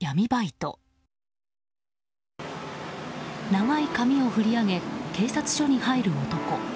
長い髪を振り上げ警察署に入る男。